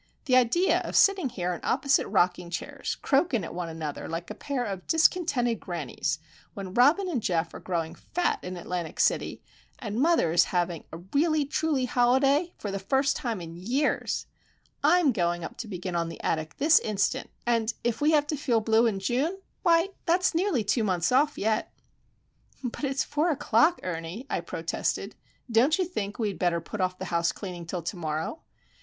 The idea of sitting here in opposite rocking chairs, croakin' at one another like a pair of discontented grannies, when Robin and Geof are growing fat in Atlantic City, and mother is having a really truly holiday for the first time in years! I'm going up to begin on the attic this instant; and if we have to feel blue in June,—why, that's nearly two months off, yet." "But it's four o'clock, Ernie," I protested. "Don't you think we had better put off the house cleaning till to morrow?"